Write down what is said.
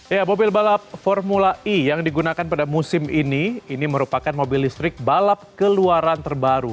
ya mobil balap formula e yang digunakan pada musim ini ini merupakan mobil listrik balap keluaran terbaru